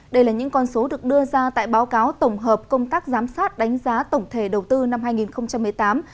đây là những con số được đưa ra tại báo cáo tổng hợp công tác giám sát đánh giá tổng thể đầu tư năm hai nghìn một mươi tám